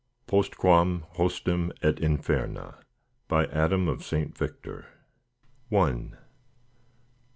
POSTQUAM HOSTEM ET INFERNA By Adam of St. Victor. _(_See p.